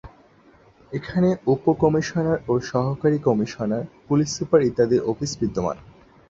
এখানে উপ-কমিশনার ও সহকারী কমিশনার, পুলিশ সুপার ইত্যাদির অফিস বিদ্যমান।